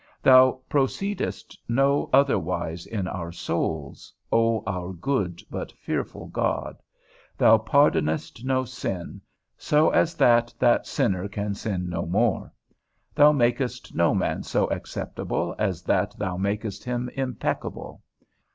Thou proceedest no otherwise in our souls, O our good but fearful God; thou pardonest no sin, so as that that sinner can sin no more; thou makest no man so acceptable as that thou makest him impeccable.